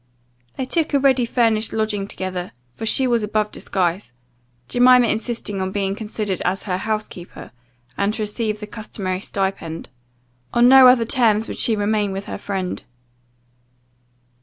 They took a ready furnished lodging together, for she was above disguise; Jemima insisting on being considered as her house keeper, and to receive the customary stipend. On no other terms would she remain with her friend.